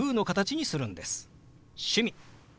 「趣味」。